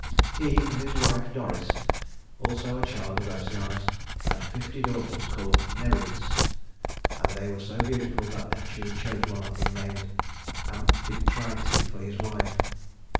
He and his wife Doris (also a child of Oceanus) had fifty daughters called Nereids, and they were so beautiful that Neptune chose one of them, named Amphitrite, for his wife.